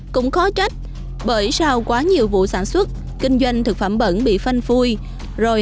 cũng khó trách bởi sau quá nhiều vụ sản xuất kinh doanh thực phẩm bẩn bị phanh phui